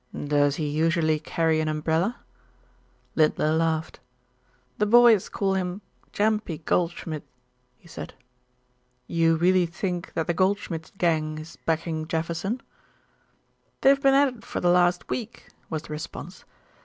"Does he usually carry an umbrella?" Lindler laughed. "The boys call him 'Gampy Goldschmidt,'" he said. "You really think that the Goldschmidt gang is Backing Jefferson?" "They've been at it for the last week," was the response.